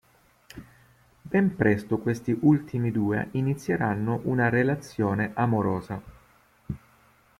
Ben presto questi ultimi due inizieranno una relazione amorosa.